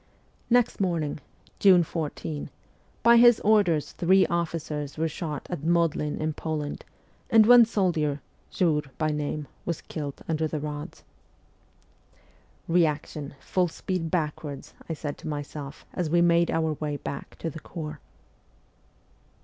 Next morning, June 14, by his orders three officers were shot at Modlin in Poland, and one soldier, Szur by name, was killed under the rods. ' Reaction, full speed backwards,' I said to myself as we made our way back to the corps.